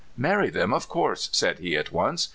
^ Marry them, of course," said he at once.